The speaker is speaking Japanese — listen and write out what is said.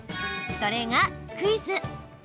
それがクイズ！